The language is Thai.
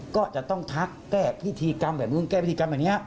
ก็จะต้องทักแก้พิธีกรรมแบบนี้